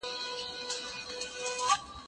هغه څوک چي مځکه کري حاصل اخلي!؟